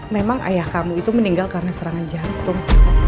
memang ayah kamu itu meninggal karena serangan jantung